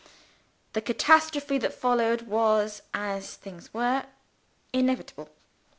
The catastrophe that followed was (as things were) inevitable.